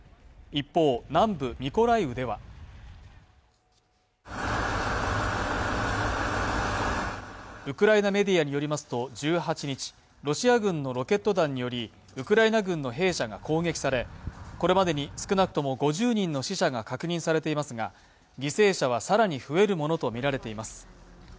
一方、南部ミコライウではウクライナメディアによりますと１８日、ロシア軍のロケット弾によりウクライナ軍の兵舎が攻撃され、これまでに少なくとも５０人の死者が確認されていますが、犠牲者は更に増えるものとみられています。